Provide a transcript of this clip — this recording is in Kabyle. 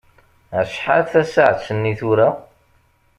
Acḥal tasaɛet-nni tura?